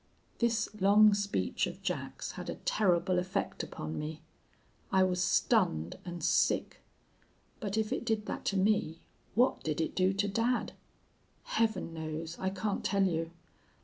"This long speech of Jack's had a terrible effect upon me. I was stunned and sick. But if it did that to me what did it do to dad? Heaven knows, I can't tell you.